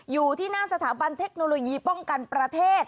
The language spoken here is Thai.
อยู่ที่หน้าสถาบันเทคโนโลยีป้องกันประเทศ